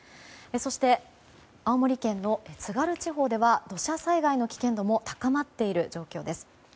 そして、青森県の津軽地方では土砂災害の危険度も高まっている状況です。